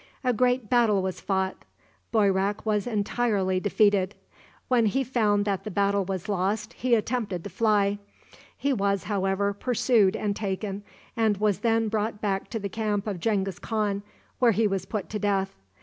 A great battle was fought. Boyrak was entirely defeated. When he found that the battle was lost he attempted to fly. He was, however, pursued and taken, and was then brought back to the camp of Genghis Khan, where he was put to death.